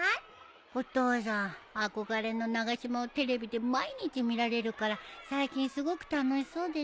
お父さん憧れの長嶋をテレビで毎日見られるから最近すごく楽しそうでさ。